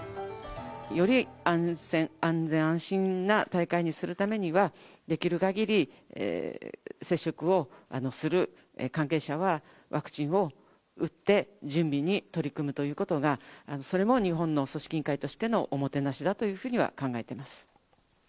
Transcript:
より安全安心な大会にするためには、できるかぎり、接触をする関係者はワクチンを打って、準備に取り組むということが、それも日本の組織委員会としてのおもてなしだというふうには考え